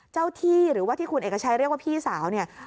เจ้าที่หรือว่าที่คุณเอกชัยเรียกว่าพี่สาวเนี่ย